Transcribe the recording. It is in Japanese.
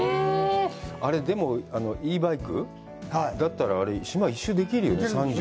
あれでも、Ｅ−バイク、だったら、島、一周できるよね？